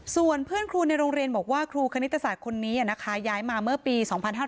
ส่วนเพื่อนครูในโรงเรียนบอกว่าครูคณิตศาสตร์คนนี้นะคะย้ายมาเมื่อปี๒๕๕๙